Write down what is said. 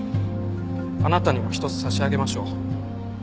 あなたにも一つ差し上げましょう。